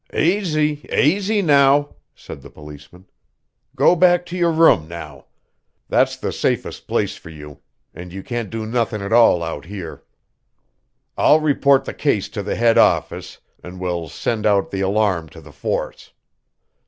"Aisy, aisy, now," said the policeman. "Go back to your room, now. That's the safest place for you, and you can't do nothin' at all out here. I'll report the case to the head office, an' we'll send out the alarm to the force.